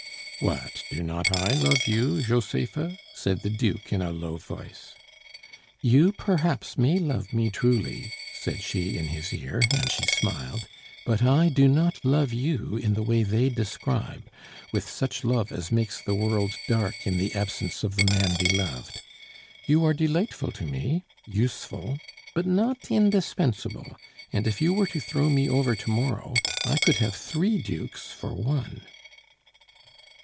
"What, do not I love you, Josepha?" said the Duke in a low voice. "You, perhaps, may love me truly," said she in his ear, and she smiled. "But I do not love you in the way they describe, with such love as makes the world dark in the absence of the man beloved. You are delightful to me, useful but not indispensable; and if you were to throw me over to morrow, I could have three dukes for one."